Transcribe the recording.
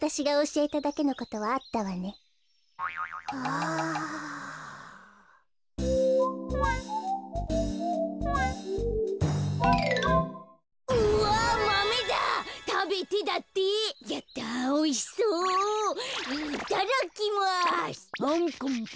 いただきます。